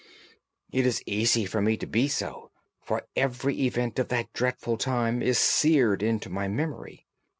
"It is easy for me to be so, for every event of that dreadful time is seared into my memory.